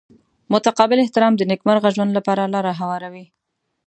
متقابل احترام د نیکمرغه ژوند لپاره لاره هواروي.